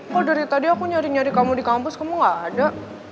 kok dari tadi aku nyari nyari kamu di kampus kamu gak ada